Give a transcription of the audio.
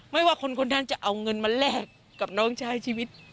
ไม่ว่าคนคนนั้นจะเอาเงินมาแลกกับน้องใช้ชีวิต